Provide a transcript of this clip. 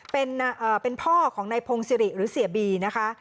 เป็นพ่อของนายพงศิริหรือเสียบีนะคะ